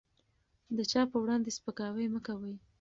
د چا په وړاندې سپکاوی مه کوئ.